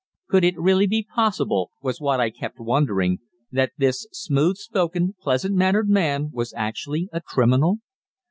Could it really be possible, was what I kept wondering, that this smooth spoken, pleasant mannered man was actually a criminal?